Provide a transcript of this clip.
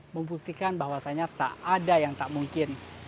membuktikan bahwasannya tak ada yang tak mungkin